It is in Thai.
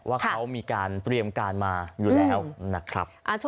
ว่าเขามีการเตรียมการมาอยู่แล้วนะครับ